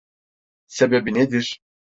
Sebebi nedir?